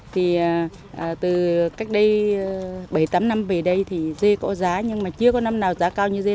từ cách đây bảy tám năm về đây thì dê có giá nhưng chưa có năm nào giá cao như dê